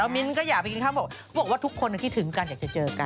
แล้วมิ้นก็อยากไปกินข้าวบอกว่าทุกคนก็คิดถึงกันอยากจะเจอกัน